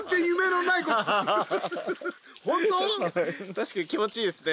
確かに気持ちいいですね。